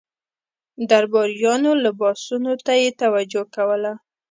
درباریانو لباسونو ته یې توجه کوله.